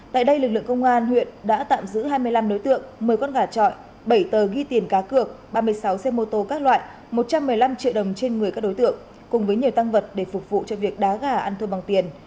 tại đây lực lượng công an huyện đã tạm giữ hai mươi năm đối tượng một mươi con gà trọi bảy tờ ghi tiền cá cược ba mươi sáu xe mô tô các loại một trăm một mươi năm triệu đồng trên người các đối tượng cùng với nhiều tăng vật để phục vụ cho việc đá gà ăn thua bằng tiền